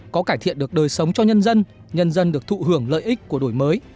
có cải thiện được đời sống cho nhân dân nhân dân được thụ hưởng lợi ích của đổi mới